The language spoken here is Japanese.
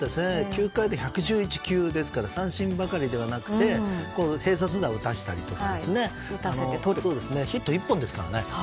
９回で１１１球ですから三振ばかりではなくて併殺打を打たせたりとかヒット１本ですからね。